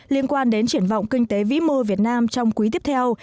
liên quan đến triển vọng kinh tế vĩ mô việt nam trong quý tiếp theo